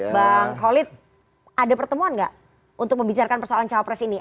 bang kholid ada pertemuan nggak untuk membicarakan persoalan cawapres ini